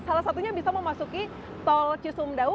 salah satunya bisa memasuki tol cisumdau